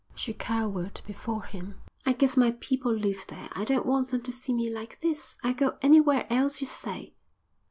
She cowered before him. "I guess my people live there. I don't want them to see me like this. I'll go anywhere else you say."